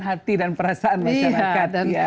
hati dan perasaan masyarakat